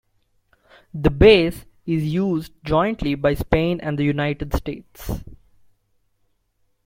The base is used jointly by Spain and the United States.